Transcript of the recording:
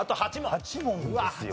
８問ですよ。